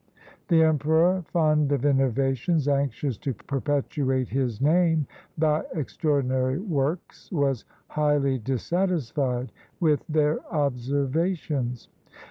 The emperor, fond of innovations, anxious to perpetuate his name by extraordinary works, was highly dissatisfied with their observations.